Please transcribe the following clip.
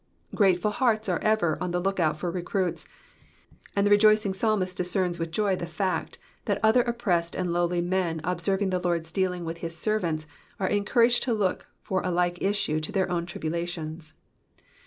'''' Grateful hearts are ever on the look out for recruits, and the rejoicing psalmist discerns with joy the fact, that other oppressed and lowly men observing the Lord^s dealings with his servants are encouraged to look for a like issue to their own tribulations.